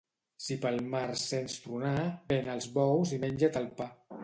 Si pel març sents tronar, ven els bous i menja't el pa.